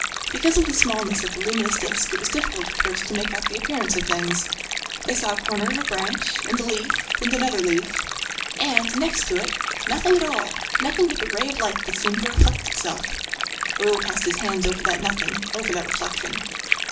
Because of the smallness of the luminous disk, it was difficult at first to make out the appearance of things: they saw a corner of a branch ... and a leaf ... and another leaf ... and, next to it, nothing at all, nothing but the ray of light that seemed to reflect itself ... Raoul passed his hand over that nothing, over that reflection.